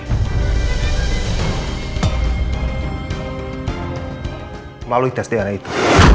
kamu harus melalui tes dna itu